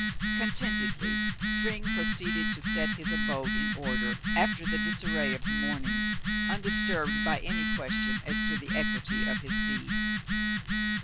Contentedly Thryng proceeded to set his abode in order after the disarray of the morning, undisturbed by any question as to the equity of his deed.